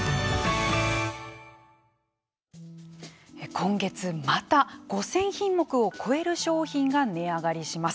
今月また、５０００品目を超える商品が値上がりします。